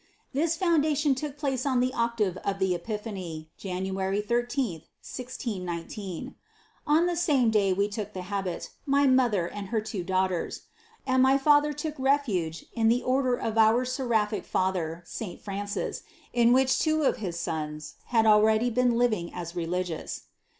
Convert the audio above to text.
This foundation took place on the octave of the Epiphany, January 13th, 1619. On the same day we took the habit, my mother and her two daughters; and my father took refuge in the order of our seraphic Father Saint Francis, in which two of his sons 20 INTRODUCTION had already been living as religious.